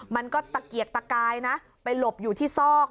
มันก็ตะเกียกตะกายนะไปหลบอยู่ที่ซอก